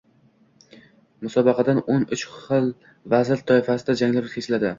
Musobaqadao´n uchxil vazn toifasida janglar o‘tkaziladi